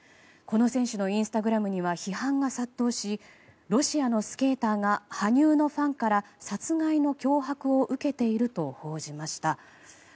この選手のインスタグラムには批判が殺到しロシアのスケーターが羽生のファンから殺害の脅迫を受けていると報じました。